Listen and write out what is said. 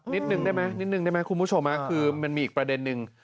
นิดนึงได้ไหมคุณผู้ชมคือมันมีอีกประเด็นหนึ่ง